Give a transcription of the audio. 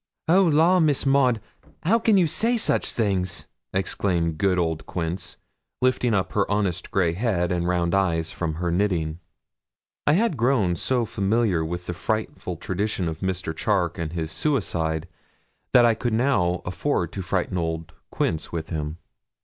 'Oh, law, Miss Maud, how can you say such things!' exclaimed good old Quince, lifting up her honest grey head and round eyes from her knitting. I had grown so familiar with the frightful tradition of Mr. Charke and his suicide, that I could now afford to frighten old Quince with him.